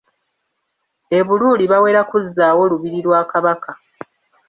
E Buluuli bawera kuzzaawo lubiri lwa Kabaka.